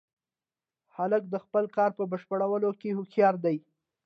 هلک د خپل کار په بشپړولو کې هوښیار دی.